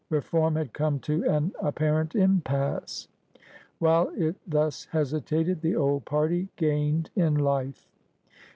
Reform had come to an apparent impasse. While it thus hesitated, the old party gained in life.